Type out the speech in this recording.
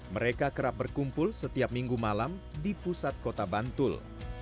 mereka kerap berkumpul setiap minggu malam di pusat kota bantul